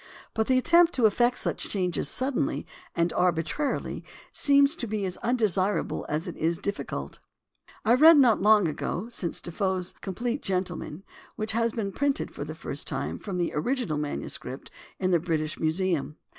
But the attempt to effect such changes suddenly and arbitrarily seems to be as undesirable as it is difficult. I read not long since Defoe's Compleat Gentleman, which has been printed for the first time from the original manuscript in the British Museum.